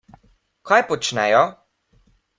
Kaj počnejo?